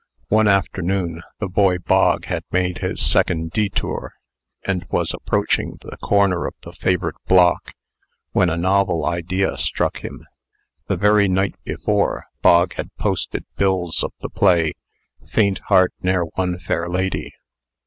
One afternoon, the boy Bog had made his second detour, and was approaching the corner of the favored block, when a novel idea struck him. The very night before, Bog had posted bills of the play, "Faint Heart Ne'er Won Fair Lady."